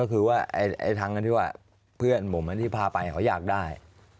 ก็คือว่าทั้งที่ว่าเพื่อนผมที่พาไปเขาอยากได้